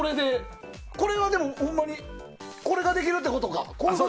これはでも、ほんまにこれができるってことか。